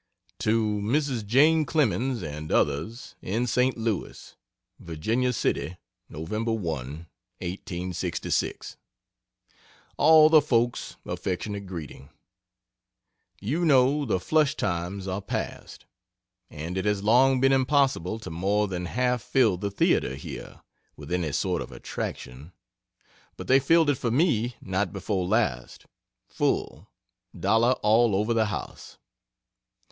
To Mrs. Jane Clemens and others, in St. Louis: VIRGINIA CITY, Nov. 1, 1866. ALL THE FOLKS, AFFECTIONATE GREETING, You know the flush time's are past, and it has long been impossible to more than half fill the Theatre here, with any sort of attraction, but they filled it for me, night before last full dollar all over the house.